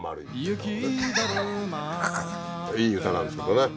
いい歌なんですけどね。